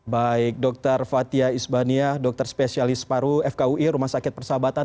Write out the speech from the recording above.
baik dr fathia isbaniah dokter spesialis paru fkui rumah sakit persahabatan